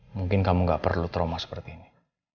mungkin kamu gak perlu trauma seperti ini